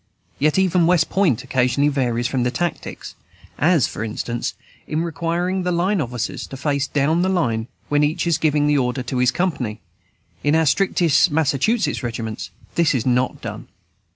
Yet even West Point occasionally varies from the "Tactics," as, for instance, in requiring the line officers to face down the line, when each is giving the order to his company. In our strictest Massachusetts regiments this is not done.